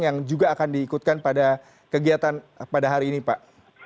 yang juga akan diikutkan pada kegiatan pada hari ini pak